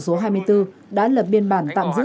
số hai mươi bốn đã lập biên bản tạm giữ